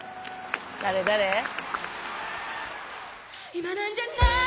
「今なんじゃない？